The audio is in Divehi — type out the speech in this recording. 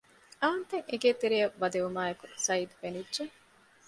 އާންތަށް އެގޭތެރެއަށް ވަދެވުމާއެކު ސަޢީދު ފެނިއްޖެ